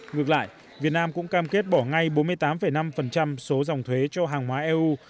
ngược lại việt nam cũng cam kết bỏ ngay bốn mươi tám năm số dòng thuế cho hàng hóa eu